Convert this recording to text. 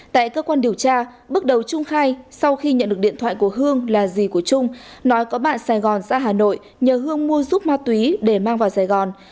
tại cơ quan điều tra bước đầu trung khai sau khi nhận được điện thoại của hương là gì của trung nói có bạn sài gòn ra hà nội nhờ hương mua giúp ma túy để mang vào sài gòn